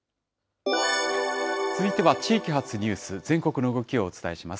続いては地域発ニュース、全国の動きをお伝えします。